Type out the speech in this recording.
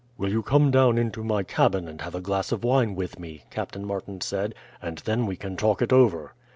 "Will you come down into my cabin and have a glass of wine with me," Captain Martin said, "and then we can talk it over?"